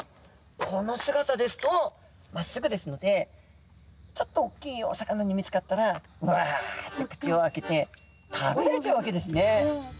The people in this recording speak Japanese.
この姿ですとまっすぐですのでちょっと大きいお魚に見つかったらわっと口を開けて食べられちゃうわけですね。